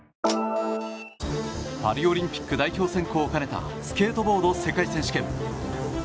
パリオリンピック代表選考を兼ねたスケートボード世界選手権。